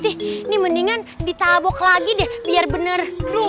ini mendingan ditabok lagi deh biar bener